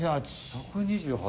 １２８。